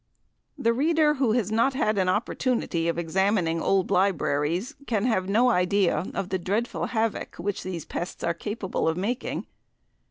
The reader, who has not had an opportunity of examining old libraries, can have no idea of the dreadful havoc which these pests are capable of making.